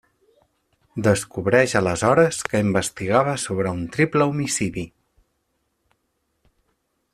Descobreix aleshores que investigava sobre un triple homicidi.